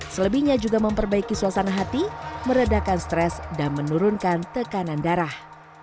selebihnya juga memperbaiki suasana hati meredakan stres dan menurunkan tekanan darah